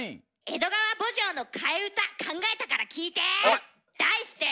「江戸川慕情」の替え歌考えたから聴いて。